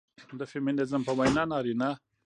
د فيمينزم په وينا نارينه